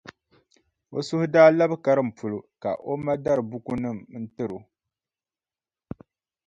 O suhu daa labi karim polo ka o ma dari bukunima n-tiri o.